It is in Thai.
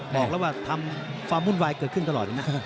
บอกแล้วว่าทำความวุ่นวายเกิดขึ้นตลอดเลยนะ